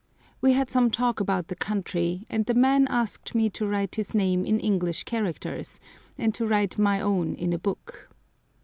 We had some talk about the country, and the man asked me to write his name in English characters, and to write my own in a book.